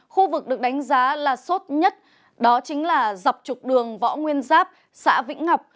khu vực được đánh giá là sốt nhất đó chính là dọc trục đường võ nguyên giáp xã vĩnh ngọc